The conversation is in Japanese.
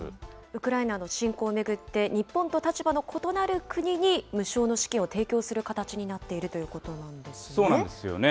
ウクライナの侵攻を巡って日本と立場の異なる国に無償の資金を提供する形になっているということなんですね。